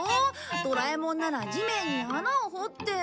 ドラえもんなら地面に穴を掘って。